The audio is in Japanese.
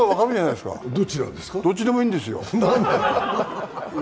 どっちでもいいんですよ。